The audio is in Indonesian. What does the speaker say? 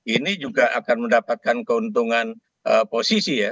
ini juga akan mendapatkan keuntungan posisi ya